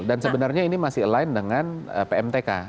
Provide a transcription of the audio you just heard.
dan sebenarnya ini masih align dengan pmtk